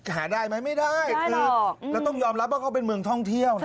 หาได้ไหมไม่ได้คือเราต้องยอมรับว่าเขาเป็นเมืองท่องเที่ยวนะ